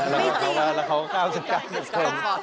แล้วเขาก็๙๐เปอร์เซ็นต์